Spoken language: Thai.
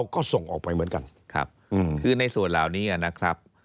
คือในส่วนเหล่านี้นะครับ